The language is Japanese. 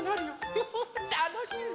フフフたのしみ！